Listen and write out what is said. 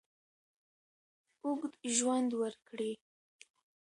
اوږد ژوند ورکړي.